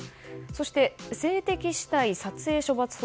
そして、性的姿態撮影処罰法。